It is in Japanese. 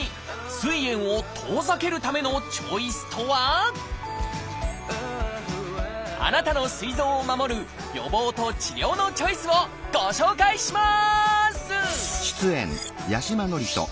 すい炎を遠ざけるためのチョイスとはあなたのすい臓を守る予防と治療のチョイスをご紹介します！